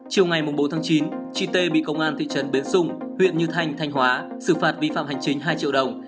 chiều ngày bốn tháng chín chị tê bị công an thị trấn bến xung huyện như thanh thanh hóa xử phạt vi phạm hành chính hai triệu đồng